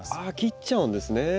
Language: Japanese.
あ切っちゃうんですね。